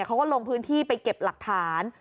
เขาก็ลงพื้นที่ไปเก็บหลักฐาน